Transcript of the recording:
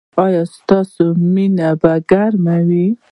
ایا ستاسو مینه به ګرمه وي؟